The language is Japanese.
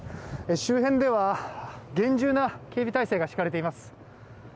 周辺では厳重な警備態勢が敷かれています。